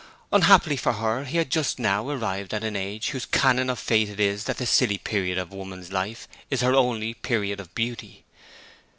Unhappily for her he had now just arrived at an age whose canon of faith it is that the silly period of woman's life is her only period of beauty.